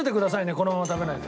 このまま食べないで。